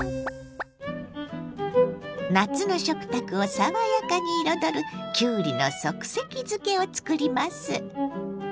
夏の食卓を爽やかに彩るきゅうりの即席漬けを作ります。